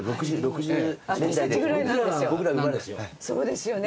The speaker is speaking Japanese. そうですよね。